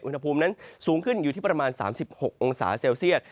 อุณหภูมินั้นสูงขึ้นอยู่ที่ประมาณ๓๖องศาเซลเซียต